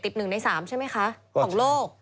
ติดหนึ่งใน๓ใช่ไหมคะของโลก